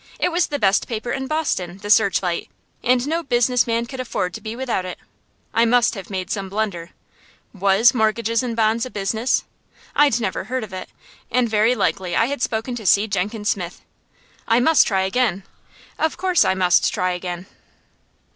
It was the best paper in Boston, the "Searchlight," and no business man could afford to be without it. I must have made some blunder. Was "Mortgages and Bonds" a business? I'd never heard of it, and very likely I had spoken to C. Jenkins Smith. I must try again of course I must try again.